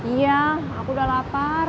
iya aku udah lapar